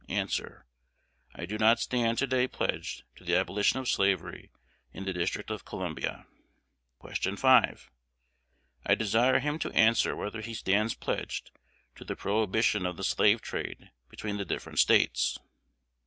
A. I do not stand to day pledged to the abolition of slavery in the District of Columbia. Q. 5. "I desire him to answer whether he stands pledged to the prohibition of the slave trade between the different States."